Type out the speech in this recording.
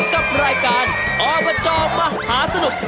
กับรายการอบจมหาสนุก